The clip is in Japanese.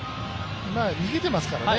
逃げてますからね。